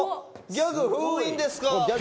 ギャグ封印っす。